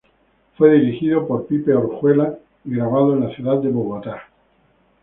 Fue dirigido por Pipe Orjuela y grabado en la ciudad de Bogotá.